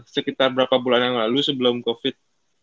sekitar berapa bulan yang lalu sebelum covid